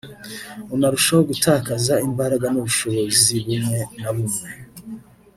unarushaho gutakaza imbaraga n’ubushobozi bumwe na bumwe